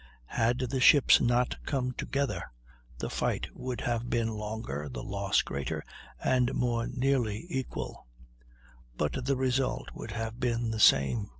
Had the ships not come together, the fight would have been longer, the loss greater, and more nearly equal; but the result would have been the same.